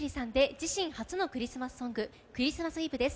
自身初の「クリスマスソング」「クリスマスイブ」です。